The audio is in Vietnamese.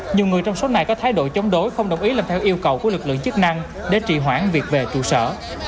nhiều người trong số này có thái độ chống đối không đồng ý làm theo yêu cầu của lực lượng chức năng để trị hoãn việc về trụ sở